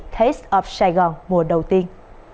taste of saigon mùa đầu tiên